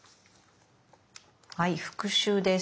はい復習です。